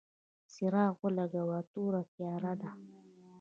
څراغ ولګوه ، توره تیاره ده !